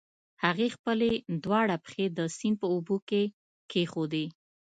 هغې خپلې دواړه پښې د سيند په اوبو کې کېښودې.